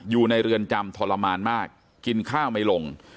อยู่ในเรือนจำทรมานมากกินข้าวไม่ลง